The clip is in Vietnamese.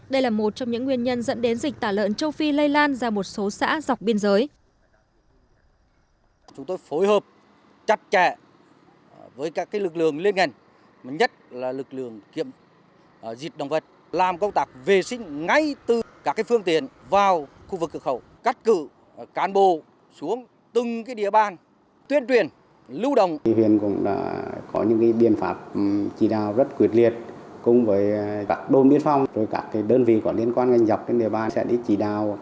đây là một trong những nguyên nhân dẫn đến dịch tả lợn châu phi lây lan ra một số xã dọc biên giới